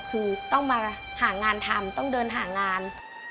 คือต้องมาหางานทำต้องเดินหางาน